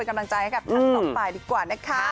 กำลังใจให้กับทั้งสองฝ่ายดีกว่านะคะ